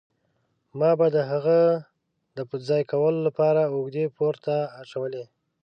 ما به د هغه د په ځای کولو له پاره اوږې پورته اچولې.